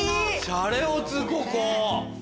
シャレオツここ！